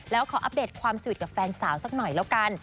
แล้วขออัปเดตความสนิทกับแฟนสาวสักหน่อยแล้วกัน